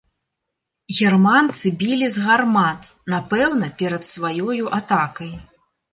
Германцы білі з гармат, напэўна, перад сваёю атакай.